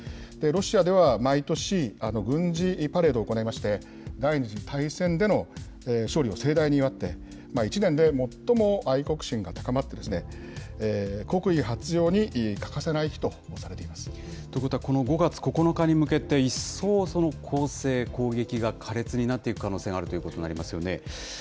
ロシアでは毎年、軍事パレードを行いまして、第２次大戦での勝利を盛大に祝って、１年で最も愛国心が高まって、国威発揚に欠かせない日とされていということは、この５月９日に向けて、一層攻勢、攻撃が苛烈になっていく可能性があるということになりますよね。